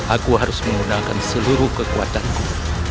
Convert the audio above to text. aku harus menggunakan seluruh kekuatanku